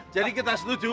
jadi kita setuju